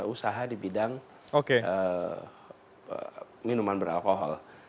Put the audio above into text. usaha di bidang minuman beralkohol